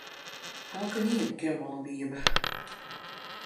Elkenien ken wol in Wybe.